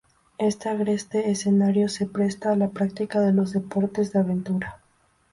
Este agreste escenario se presta a la práctica de los deportes de aventura.